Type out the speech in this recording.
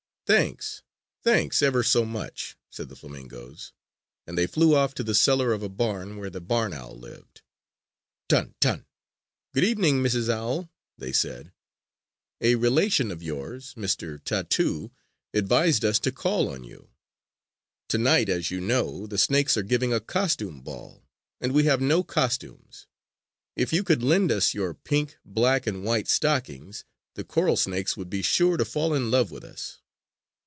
"Thanks! Thanks, ever so much!" said the flamingoes; and they flew off to the cellar of a barn where the barn owl lived. "Tan! Tan! Good evening, Mrs. Owl," they said. "A relation of yours, Mr. Tatu, advised us to call on you. Tonight, as you know, the snakes are giving a costume ball, and we have no costumes. If you could lend us your pink, black and white stockings, the coral snakes would be sure to fall in love with us!"